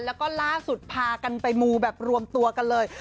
แล้วก็ล่าสุดพากันไปมูแบบรวมตัวกันเลย